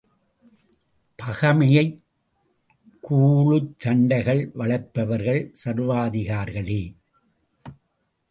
பகைமையை, குழுச் சண்டைகளை வளர்ப்பவர்கள் சர்வாதிகாரிகளே!